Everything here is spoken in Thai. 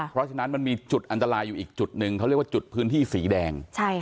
เพราะฉะนั้นมันมีจุดอันตรายอยู่อีกจุดหนึ่งเขาเรียกว่าจุดพื้นที่สีแดง